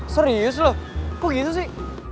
serius loh kok gitu sih